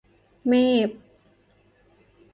เมพ !